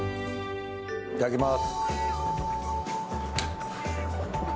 いただきます。